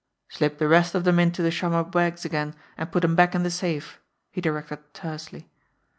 "Slip the rest of them into the chamois bags again, and put 'em back in the safe," he directed tersely.